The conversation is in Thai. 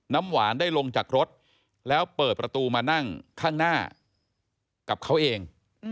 น้ำหวานได้ลงจากรถแล้วเปิดประตูมานั่งข้างหน้ากับเขาเอง